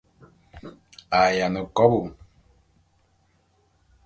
A yiane kobô.